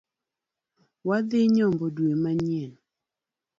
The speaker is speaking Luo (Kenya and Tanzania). Wadhi nyombo dwe manyien.